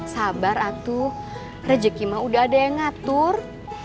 sabar atuh rejeki mah udah ada yang ngatur